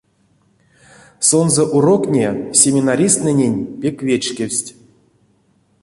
Сонзэ уроктне семинаристтнэнень пек вечкевсть.